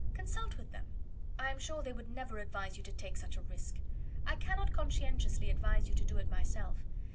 Consult with them. I am sure they would never advise you to take such a risk; I cannot conscientiously advise you to do it myself.